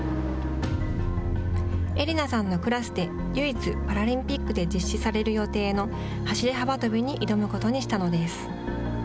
英理菜さんのクラスで唯一パラリンピックで実施される予定の走り幅跳びに挑むことにしたのです。